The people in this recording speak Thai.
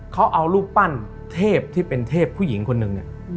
เขาเอารูปปั้นเทพที่เป็นเทพผู้หญิงคนหนึ่งเนี่ย